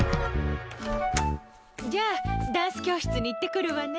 じゃあ、ダンス教室に行ってくるわね。